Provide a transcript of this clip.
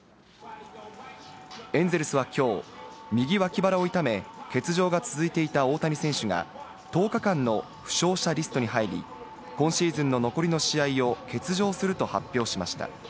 エンゼルスはきょう、右脇腹を痛め、欠場が続いていた大谷選手が、１０日間の負傷者リストに入り、今シーズンの残りの試合を欠場すると発表しました。